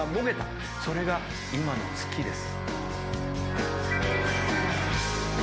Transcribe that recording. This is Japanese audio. それが今の月です。